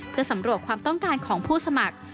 เพื่อสำรวจความต้องการของผู้สมัคร